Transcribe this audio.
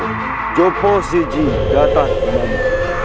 aku akan mengalahkanmu